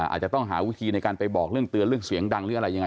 อาจจะต้องหาวิธีในการไปบอกเรื่องเตือนเรื่องเสียงดังหรืออะไรยังไง